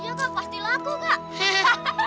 iya kak pasti laku kak